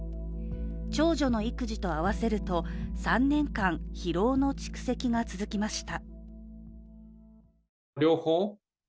長女の育児と合わせると、３年間疲労の蓄積が続きました。